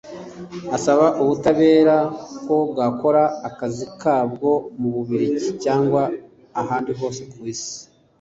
asaba ubutabera ko bwakora akazi kabwo mu Bubiligi cyangwa ahandi hose ku isi